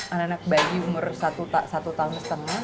anak anak bayi umur satu tahun setengah